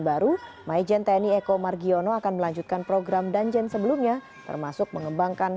baru majen tni eko margiono akan melanjutkan program danjen sebelumnya termasuk mengembangkan